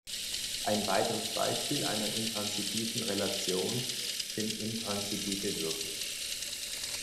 Ein weiteres Beispiel einer intransitiven Relation sind intransitive Würfel.